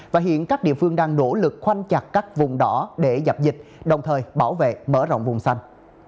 và hiện các địa phương đang nỗ lực khoanh chặt các vùng đỏ để dập dịch đồng thời bảo vệ mở rộng vùng xanh